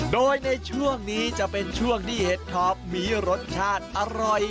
โดยในช่วงนี้จะเป็นช่วงที่เห็ดถอบมีรสชาติอร่อย